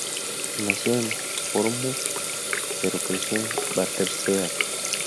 Nació en Portsmouth pero creció en Battersea.